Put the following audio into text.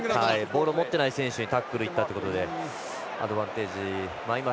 ボールを持ってない選手にタックル行ったということでアドバンテージ。